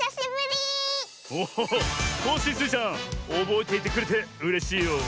おおっコッシースイちゃんおぼえていてくれてうれしいよ。